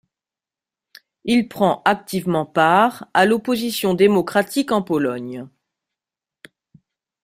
Il prend activement part à l'opposition démocratique en Pologne.